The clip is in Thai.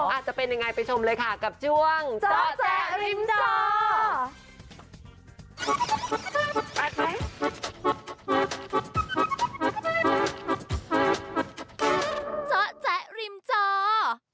อาจจะเป็นยังไงไปชมเลยค่ะกับช่วงเจาะแจ๊ริมดอก